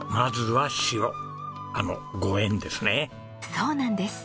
そうなんです。